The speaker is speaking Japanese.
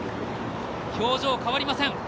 表情、変わりません。